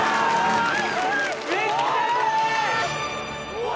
うわ